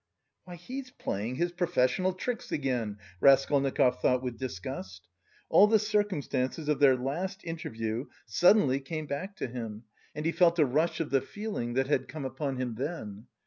"Why, he's playing his professional tricks again," Raskolnikov thought with disgust. All the circumstances of their last interview suddenly came back to him, and he felt a rush of the feeling that had come upon him then.